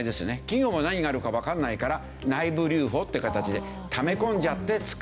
企業も何があるかわからないから内部留保という形でため込んじゃって使わない。